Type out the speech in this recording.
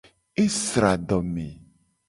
Esra adome.